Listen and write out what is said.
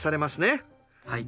はい。